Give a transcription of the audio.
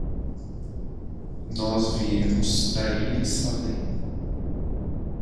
Nós viemos da íris Salem.